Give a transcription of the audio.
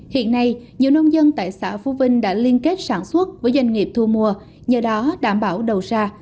hiện nay nhiều nông dân tại xã phú vinh đã liên kết sản xuất với doanh nghiệp thu mua nhờ đó đảm bảo đầu ra